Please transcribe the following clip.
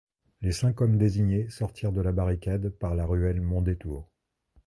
Les cinq hommes désignés sortirent de la barricade par la ruelle Mondétour.